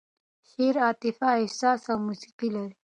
شعر عاطفه، احساس او موسیقي لري.